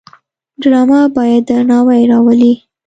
ډرامه باید درناوی راولي